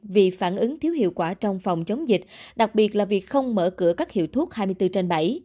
vì phản ứng thiếu hiệu quả trong phòng chống dịch đặc biệt là việc không mở cửa các hiệu thuốc hai mươi bốn trên bảy